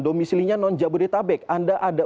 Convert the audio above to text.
domisilinya non jabodetabek anda ada